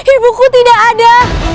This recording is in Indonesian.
ibuku tidak ada